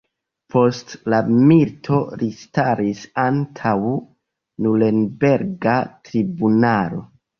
Post la milito li staris antaŭ Nurenberga tribunalo.